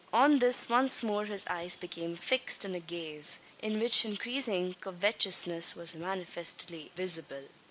On this once more his eyes became fixed in a gaze, in which increasing covetousness was manifestly visible.